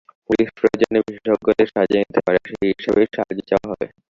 Police প্রয়োজনে বিশেষজ্ঞের সাহায্য নিতে পারে, সেই হিসেবেই সাহায্য চাওয়া হবে।